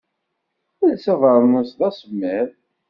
Els abernus, d asemmiḍ.